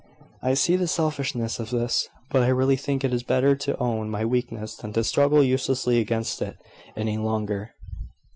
I see the selfishness of this; but I really think it is better to own my weakness than to struggle uselessly against it any longer."